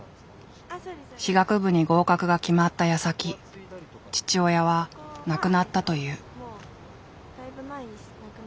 歯学部に合格が決まったやさき父親は亡くなったという。